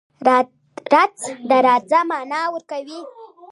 رڅه .د راځه معنی ورکوی